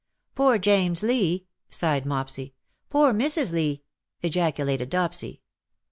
^^ Poor James Lee V sighed Mopsy. "Poor Mrs. Lee!" ejaculated Dopsy.